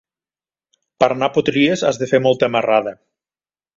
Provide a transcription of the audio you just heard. Per anar a Potries has de fer molta marrada.